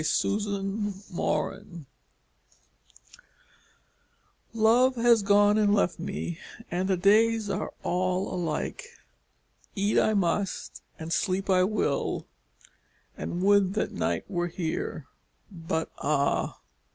Ashes of Life Love has gone and left me and the days are all alike; Eat I must, and sleep I will, and would that night were here! But ah!